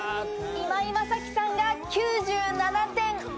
今井マサキさんが９７点。